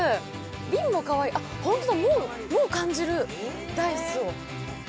瓶もかわいい、ホントだ、もう感じるダイスを。